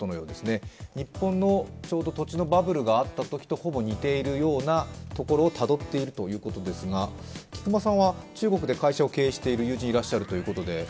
日本のちょうど土地のバブルがあったときと似ているようなところをたどっているということですが、菊間さんは中国で会社を経営している友人がいらっしゃるということで。